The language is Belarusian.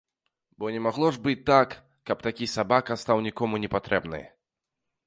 Бо не магло ж быць так, каб такі сабака стаў нікому не патрэбны.